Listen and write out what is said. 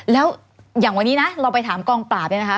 แล้วอย่างวันนี้นะเราไปถามกองปราบเนี่ยนะคะ